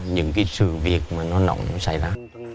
những cái sự việc mà nó nóng nó xảy ra